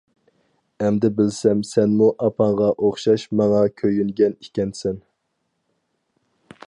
ئەمدى بىلسەم سەنمۇ ئاپامغا ئوخشاش ماڭا كۆيۈنگەن ئىكەنسەن.